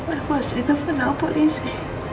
aku masih telfon sama polisi